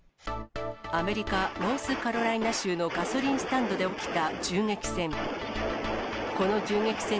アメリカ・ノースカロライナ州のガソリンスタンドで起きた銃撃戦。